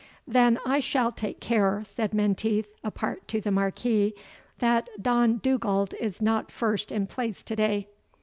"Then I shall take care," said Menteith, apart to the Marquis, "that Don Dugald is not first in place to day.